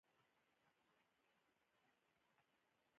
افغانستان د خاورې له پلوه خپله ځانګړې او ځانته ځانګړتیا لري.